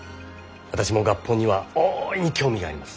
私も合本には大いに興味があります。